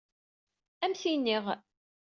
Ad am-t-iniɣ.